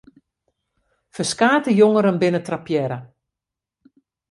Ferskate jongeren binne trappearre.